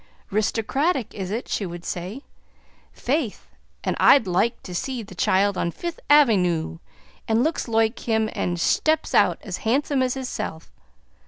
"'Ristycratic, is it?" she would say. "Faith, an' I'd loike to see the choild on Fifth Avey NOO as looks loike him an' shteps out as handsome as himself.